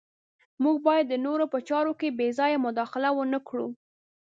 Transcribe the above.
موږ باید د نورو په چارو کې بې ځایه مداخله ونه کړو.